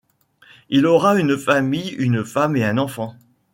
Il aura une famille, une femme, et un enfant.